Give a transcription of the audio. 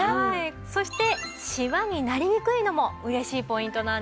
そしてシワになりにくいのも嬉しいポイントなんです。